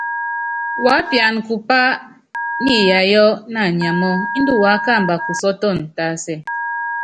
Wuápiana kupá niiyayɔ naanyamɔ́ índɛ wuákamba kusɔ́tɔn tásɛ.